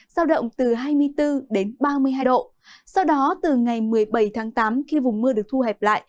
sao động từ hai mươi bốn ba mươi hai độ sau đó từ ngày một mươi bảy tám khi vùng mưa được thu hẹp lại